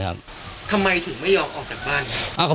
ทำไมถึงไม่ยอมออกจากบ้าน